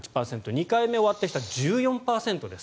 ２回目終わった人は１４％です。